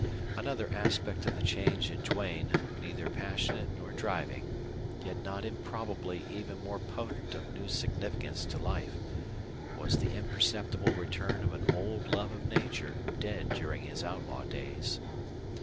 Another aspect of the change in Duane, neither passionate nor driving, yet not improbably even more potent of new significance to life, was the imperceptible return of an old love of nature dead during his outlaw days.